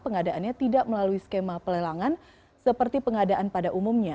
pengadaannya tidak melalui skema pelelangan seperti pengadaan pada umumnya